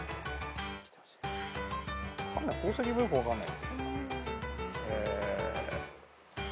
宝石もよく分かんない。